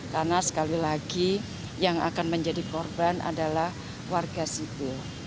karena sekali lagi yang akan menjadi korban adalah warga sipil